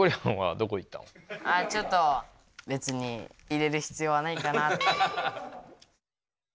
あっちょっとべつに入れる必要はないかなぁって。